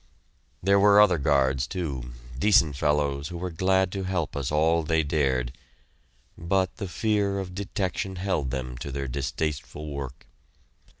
There were other guards, too, decent fellows who were glad to help us all they dared. But the fear of detection held them to their distasteful work.